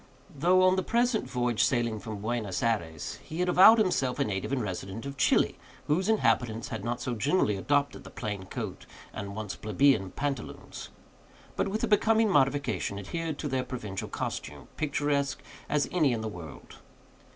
Though on the present voyage sailing from Buenos Ayres, he had avowed himself a native and resident of Chili, whose inhabitants had not so generally adopted the plain coat and once plebeian pantaloons; but, with a becoming modification, adhered to their provincial costume, picturesque as any in the world.